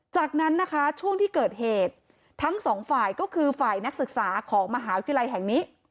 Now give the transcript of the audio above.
จากนั้นนะคะช่วงที่เกิดเหตุทั้งสองฝ่ายก็คือฝ่ายนักศึกษาของมหาวิทยาลัยแห่งนี้